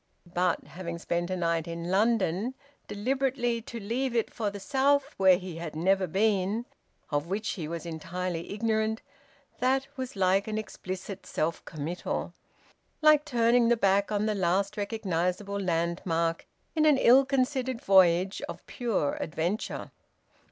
But, having spent a night in London, deliberately to leave it for the South, where he had never been, of which he was entirely ignorant, that was like an explicit self committal, like turning the back on the last recognisable landmark in an ill considered voyage of pure adventure.